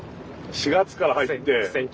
４月から入って。